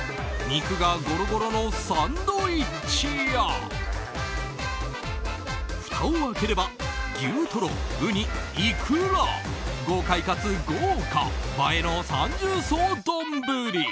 肉がごろごろのサンドイッチやふたを開ければ牛トロ、ウニ、イクラ豪快かつ豪華、映えの三重奏丼。